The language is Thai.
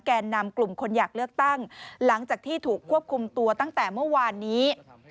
แก่นำกลุ่มคนอยากเลือกตั้งหลังจากที่ถูกควบคุมตัวตั้งแต่เมื่อวานนี้